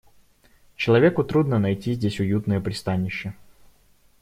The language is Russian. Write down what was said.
Человеку трудно найти здесь уютное пристанище.